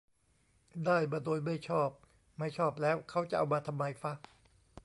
"ได้มาโดยไม่ชอบ" ไม่ชอบแล้วเค้าจะเอามาทำไมฟะ